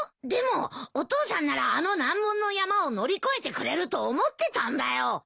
でもお父さんならあの難問の山を乗り越えてくれると思ってたんだよ！